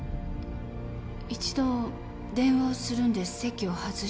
一度電話をするんで席を外したと思います。